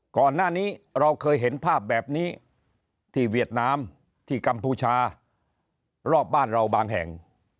ก่อนหน้านี้เราเคยเห็นภาพแบบนี้ที่เวียดนามที่กัมพูชารอบบ้านเราบางแห่ง